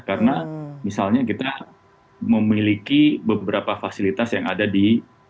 karena misalnya kita memiliki beberapa fasilitas yang ada di